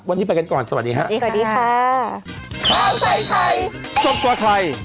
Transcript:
วันนี้ไปกันก่อนสวัสดีค่ะสวัสดีค่ะ